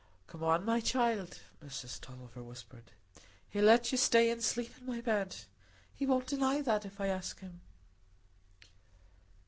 "Come in, my child," Mrs Tulliver whispered. "He'll let you stay and sleep in my bed. He won't deny that if I ask him."